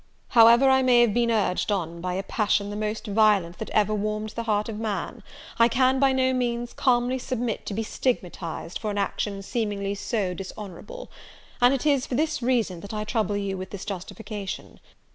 "However I may have been urged on by a passion the most violent that ever warmed the heart of man, I can by no means calmly submit to be stigmatized for an action seemingly so dishonourable; and it is for this reason that I trouble you with this justification.